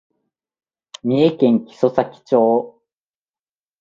三重県木曽岬町